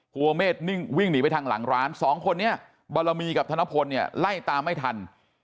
หัวเมฆนิ่งวิ่งหนีไปทางหลังร้านสองคนนี้บารมีกับธนพลเนี่ยไล่ตามไม่ทัน